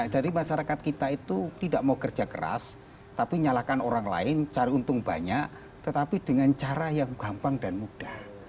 jadi masyarakat kita itu tidak mau kerja keras tapi nyalahkan orang lain cari untung banyak tetapi dengan cara yang gampang dan mudah